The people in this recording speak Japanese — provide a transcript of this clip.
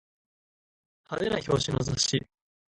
派手な表紙の雑誌